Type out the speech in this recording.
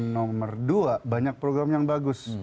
nomor dua banyak program yang bagus